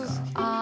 あ。